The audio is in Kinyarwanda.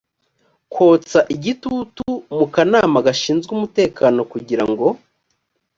kotsa igitutu mu kanama gashinzwe umutekano kugira ngo